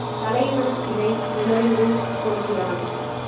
தலைவன் இதை உணர்ந்து கொள்கிறான்.